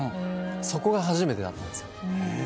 そこが初めてだったんです。